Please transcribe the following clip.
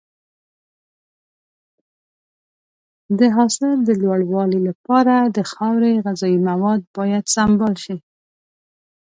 د حاصل د لوړوالي لپاره د خاورې غذایي مواد باید سمبال شي.